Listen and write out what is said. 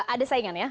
ada saingan ya